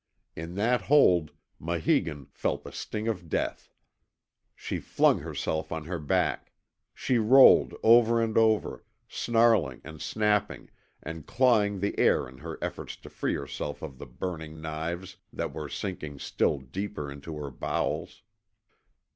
In that hold Maheegun felt the sting of death. She flung herself on her back; she rolled over and over, snarling and snapping and clawing the air in her efforts to free herself of the burning knives that were sinking still deeper into her bowels.